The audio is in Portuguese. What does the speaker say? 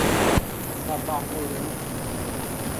Tabaporã